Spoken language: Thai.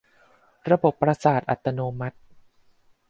ระบบประสาทอัตโนมัติ